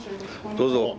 どうぞ。